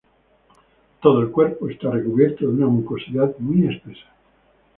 Todo el cuerpo está recubierto de una mucosidad muy espesa.